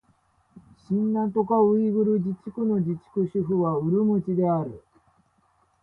新疆ウイグル自治区の自治区首府はウルムチである